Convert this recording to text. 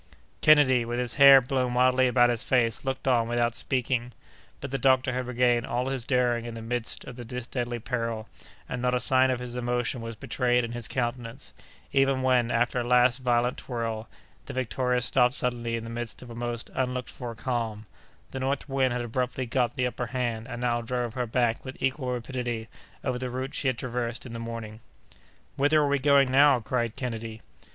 Kennedy, with his hair blown wildly about his face, looked on without speaking; but the doctor had regained all his daring in the midst of this deadly peril, and not a sign of his emotion was betrayed in his countenance, even when, after a last violent twirl, the Victoria stopped suddenly in the midst of a most unlooked for calm; the north wind had abruptly got the upper hand, and now drove her back with equal rapidity over the route she had traversed in the morning. "Whither are we going now?" cried Kennedy.